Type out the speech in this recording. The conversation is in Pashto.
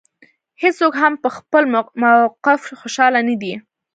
هېڅوک هم په خپل موقف خوشاله نه دی.